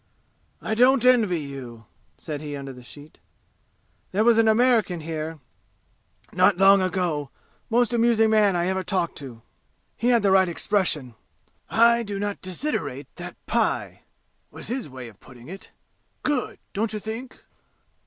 "I don't envy you!" said he under the sheet. "There was an American here not long ago most amusing man I ever talked to. He had the right expression. 'I do not desiderate that pie!' was his way of putting it. Good, don't you think?"